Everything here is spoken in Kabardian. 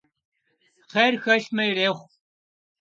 Хъер хэлъмэ, ирехъу.